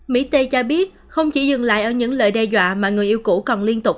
mỹ tê cho biết không chỉ dừng lại ở những lời đe dọa mà người yêu cũ còn liên tục